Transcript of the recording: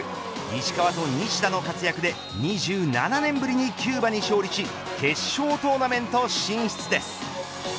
石川と西田の活躍で２７年ぶりにキューバに勝利し決勝トーナメント進出です。